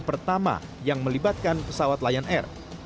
pertama yang melibatkan pesawat lion air